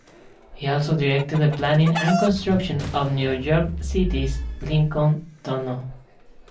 He also directed the planning and construction of New York City's Lincoln Tunnel.